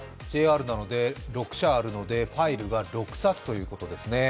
ＪＲなので６社あるのでファイルが６冊ということですね。